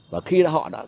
và khi họ đã